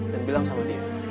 dan bilang sama dia